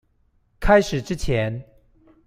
開始之前